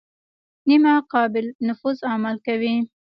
نیمه قابل نفوذ عمل کوي.